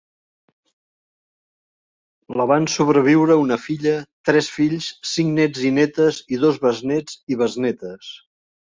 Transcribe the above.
La van sobreviure una filla, tres fills, cinc nets i netes i dos besnets i besnetes.